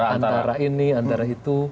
antara ini antara itu